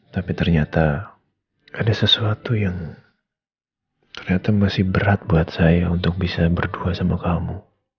tapi ternyata ada sesuatu yang ternyata masih berat buat saya untuk bisa berdua sama kamu